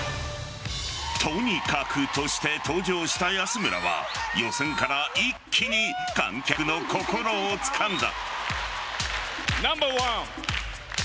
ＴＯＮＩＫＡＫＵとして登場した安村は予選から一気に観客の心をつかんだ。